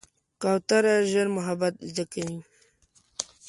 کوتره ژر محبت زده کوي.